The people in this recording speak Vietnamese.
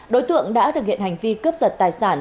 đối tượng đã thực hiện hành vi cướp giật tài sản